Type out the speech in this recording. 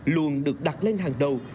luôn được đặt lên hàng đầu